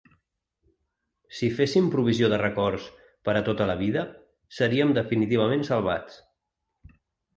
Si féssim provisió de records per a tota la vida, seríem definitivament salvats.